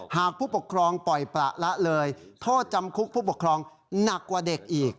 หากผู้ปกครองปล่อยประละเลยโทษจำคุกผู้ปกครองหนักกว่าเด็กอีก